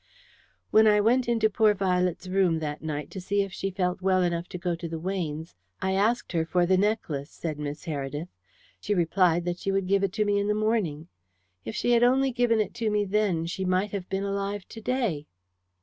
"When I went into poor Violet's room that night to see if she felt well enough to go to the Weynes' I asked her for the necklace," said Miss Heredith. "She replied that she would give it to me in the morning. If she had only given it to me then, she might have been alive to day."